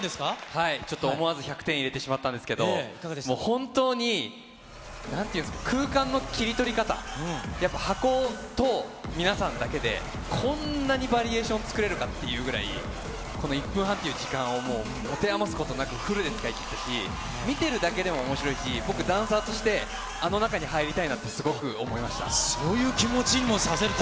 はい、ちょっと思わず１００点入れてしまったんですけど、本当に、なんていうんですか、空間の切り取り方、やっぱ箱と皆さんだけで、こんなにバリエーション作れるかっていうぐらい、この１分半という時間を、もう持て余すことなく、フルで使い切ったし、見てるだけでもおもしろいし、僕、ダンサーとして、あの中に入りたいなってすごく思そういう気持ちにもさせるっ